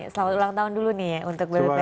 selamat ulang tahun dulu untuk bppt